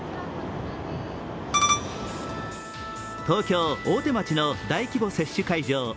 東京・大手町の大規模接種会場。